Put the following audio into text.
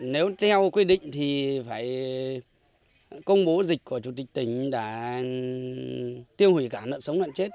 nếu theo quy định thì phải công bố dịch của chủ tịch tỉnh đã tiêu hủy cả lợn sống lợn chết